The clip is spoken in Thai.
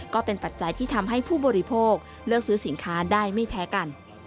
ปัจจัยที่ทำให้ผู้บริโภคเลือกซื้อสินค้าได้ไม่แพ้กัน